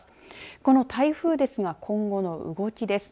この台風ですが今後の動きです。